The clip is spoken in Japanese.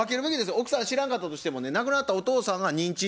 奥さん知らんかったとしてもね亡くなったお父さんが認知して弟さんですやん